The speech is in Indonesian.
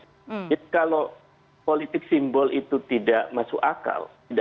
jadi kalau politik simbol itu tidak masuk akal